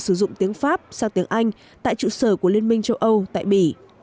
sử dụng tiếng pháp sang tiếng anh tại trụ sở của liên minh châu âu tại bỉ